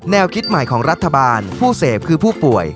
คิดใหม่ของรัฐบาลผู้เสพคือผู้ป่วย